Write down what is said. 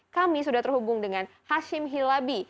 kami sudah terhubung dengan hashim hilabi